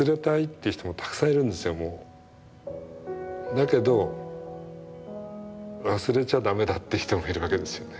だけど忘れちゃ駄目だって人もいるわけですよね。